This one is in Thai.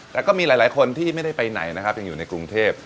แต่ก็มีหลายคนที่ไม่ได้ไปไหนนะครับยังอยู่ในกรุงเทพ